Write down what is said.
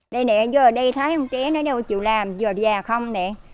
đây nè giờ ở đây thấy con trẻ nó đâu chịu làm giờ già không nè